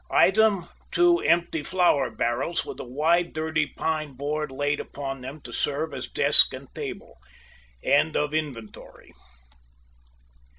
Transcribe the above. Item, two empty flour barrels with a wide, dirty pine board laid upon them, to serve as desk and table. End of the inventory.